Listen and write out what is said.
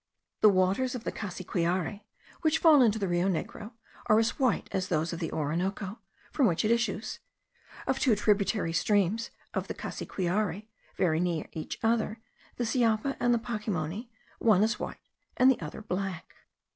The waters of the Cassiquiare, which fall into the Rio Negro, are as white as those of the Orinoco, from which it issues. Of two tributary streams of the Cassiquiare very near each other, the Siapa and the Pacimony, one is white, the other black.